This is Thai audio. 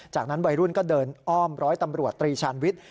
จากนั้นวัยรุ่นก็เดินอ้อมร้อยตำรวจตรีชาญวิทย์